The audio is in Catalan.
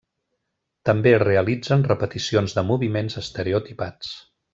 També realitzen repeticions de moviments estereotipats.